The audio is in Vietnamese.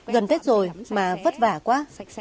gần tết rồi mà vất vả quá